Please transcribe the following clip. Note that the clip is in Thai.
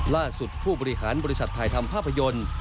ผู้บริหารบริษัทถ่ายทำภาพยนตร์